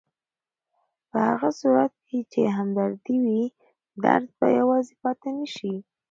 په هغه صورت کې چې همدردي وي، درد به یوازې پاتې نه شي.